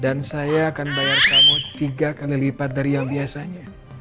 dan saya akan bayar kamu tiga kali lipat dari yang biasanya